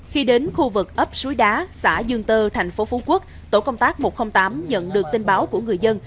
khi đến khu vực ấp suối đá xã dương tơ thành phố phú quốc tổ công tác một trăm linh tám nhận được tin báo của người dân